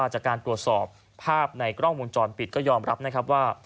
จากการตรวจสอบภาพในกล้องวงจรปิดก็ยอมรับนะครับว่า